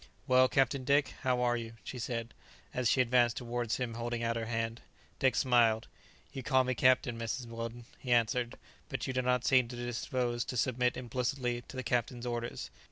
"Well, Captain Dick, how are you?" she said, as she advanced towards him holding out her hand. Dick smiled. "You call me captain, Mrs. Weldon," he answered, "but you do not seem disposed to submit implicitly to captain's orders.